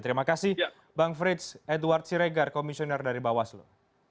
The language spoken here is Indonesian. terima kasih bang frits edward siregar komisioner dari bawaslu